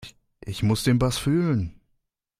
Ich muss den Bass fühlen.